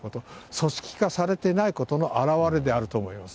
組織化されていないことの表れであると思います。